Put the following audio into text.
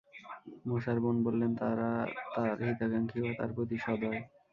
মূসার বোন বললেন, তারা তার হিতাকাঙ্খী ও তার প্রতি সদয়।